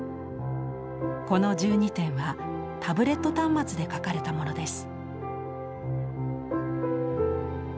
この１２点はタブレット端末で描かれたものです。